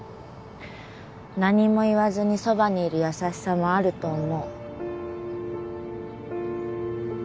何も言わずにそばにいる優しさもあると思う。